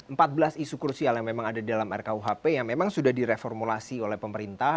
sekarang kita bicara soal empat belas isu kursial yang memang ada dalam rkuhp yang memang sudah direformulasi oleh pemerintah